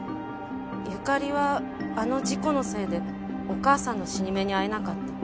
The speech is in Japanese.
ゆかりはあの事故のせいでお母さんの死に目に会えなかった。